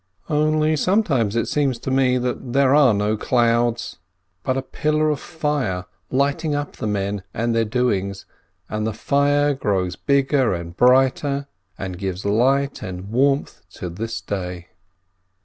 Only sometimes it seems to me that there are no clouds, but a pillar of fire lighting up the men and their doings, and the fire grows bigger and brighter, and gives light and warmth to this day.